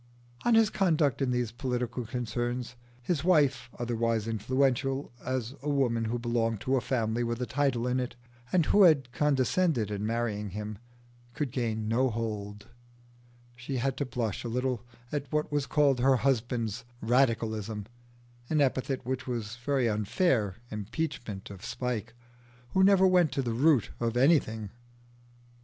On his conduct in these political concerns, his wife, otherwise influential as a woman who belonged to a family with a title in it, and who had condescended in marrying him, could gain no hold: she had to blush a little at what was called her husband's "radicalism" an epithet which was a very unfair impeachment of Spike, who never went to the root of anything.